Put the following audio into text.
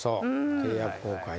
契約更改ね。